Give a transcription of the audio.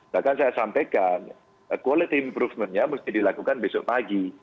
bahkan saya sampaikan quality improvement nya mesti dilakukan besok pagi